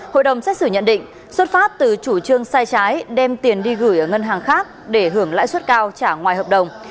hội đồng xét xử nhận định xuất phát từ chủ trương sai trái đem tiền đi gửi ở ngân hàng khác để hưởng lãi suất cao trả ngoài hợp đồng